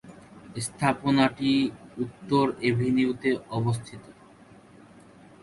স্থাপনাটি উত্তর এভিনিউতে অবস্থিত।